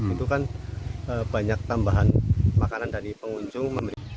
itu kan banyak tambahan makanan dari pengunjung